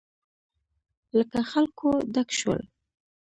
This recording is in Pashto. له خلکو ډک شول.